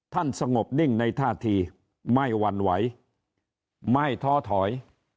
สงบนิ่งในท่าทีไม่หวั่นไหวไม่ท้อถอย